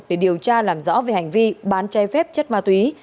để điều tra làm rõ về hành vi bán che phép chất ma túy